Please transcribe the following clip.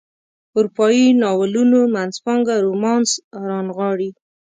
اروپایي ناولونو منځپانګه رومانس رانغاړي.